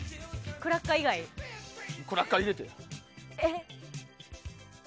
クラッカー入れて。